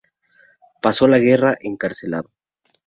Pasó la guerra encarcelado.